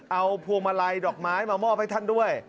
เอาผัวมะไรดอกไม้มามอล์ไปทันด้วย